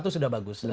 lima satu sudah bagus